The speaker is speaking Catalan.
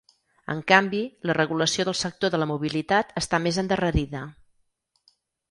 En canvi, la regulació del sector de la mobilitat està més endarrerida.